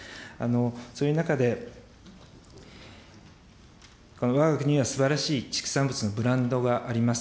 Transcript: そういう中で、わが国はすばらしい畜産物のブランドがあります。